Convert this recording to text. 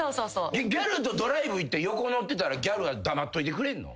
ギャルとドライブ行って横乗ってたらギャルは黙っといてくれんの？